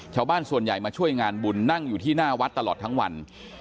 ชาวบ้านส่วนใหญ่มาช่วยงานบุญนั่งอยู่ที่หน้าวัดตลอดทั้งวัน